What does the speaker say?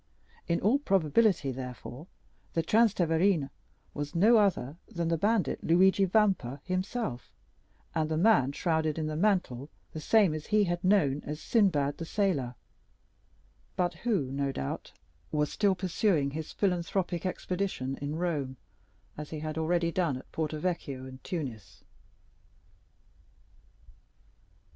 In all probability, therefore, the Transteverin was no other than the bandit Luigi Vampa himself, and the man shrouded in the mantle the same he had known as "Sinbad the Sailor," but who, no doubt, was still pursuing his philanthropic expedition in Rome, as he had already done at Porto Vecchio and Tunis.